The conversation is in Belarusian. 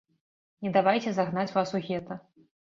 Не давайце загнаць вас у гета.